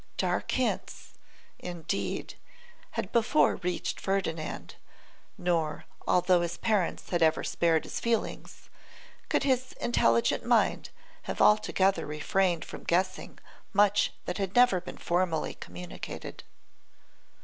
Dark hints, indeed, had before reached Ferdinand; nor, although his parents had ever spared his feelings, could his intelligent mind have altogether refrained from guessing much that had never been formally communicated.